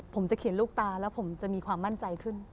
ผมจะเขียนลูกตาแล้วผมจะมีความมั่นใจขึ้น